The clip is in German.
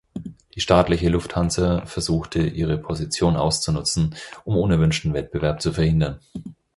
Die staatliche Lufthansa versuchte ihre Position auszunutzen, um unerwünschten Wettbewerb zu verhindern.